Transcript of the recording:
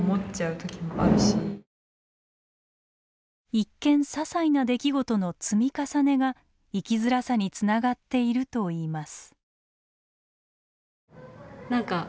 一見ささいな出来事の積み重ねが生きづらさにつながっているといいます。